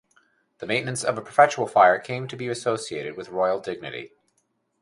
The maintenance of a perpetual fire came to be associated with royal dignity.